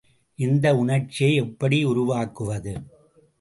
இந்த உணர்ச்சியை எப்படி உருவாக்குவது?